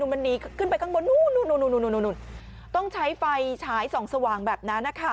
มันหนีขึ้นไปข้างบนนู้นต้องใช้ไฟฉายส่องสว่างแบบนั้นนะคะ